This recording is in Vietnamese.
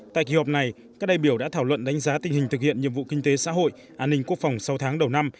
tại kỳ họp này các đại biểu đã thảo luận đánh giá tình hình thực hiện nhiệm vụ kinh tế xã hội an ninh quốc phòng sáu tháng đầu năm